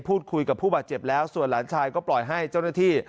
พูดคุยกับผู้บาดเจ็บแล้วส่วนหลานชายก็ปล่อยให้เจ้าหน้าที่